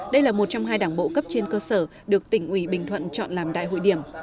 đây là một trong hai đảng bộ cấp trên cơ sở được tỉnh ủy bình thuận chọn làm đại hội điểm